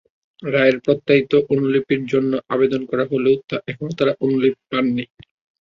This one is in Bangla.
রায়ের প্রত্যায়িত অনুলিপির জন্য আবেদন করা হলেও এখনো তাঁরা অনুলিপি পাননি।